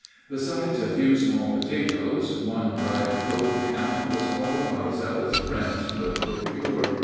Besides a few small potatoes, one dried goat ham was all our zealous friends could procure.